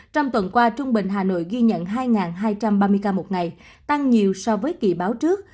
trong tuần qua trung bình hà nội ghi nhận hai hai trăm ba mươi ca một ngày tăng nhiều so với kỳ báo trước